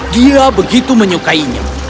dia begitu menyukainya